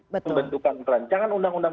membentukkan perancangan undang undang